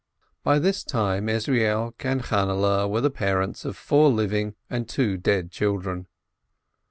By this time Ezrielk and Channehle were the parents of four living and two dead children.